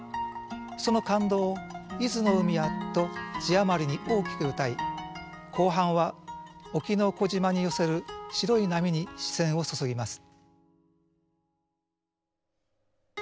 その感動を「伊豆の海や」と字余りに大きく詠い後半は沖の小島に寄せる白い波に視線を注ぎます。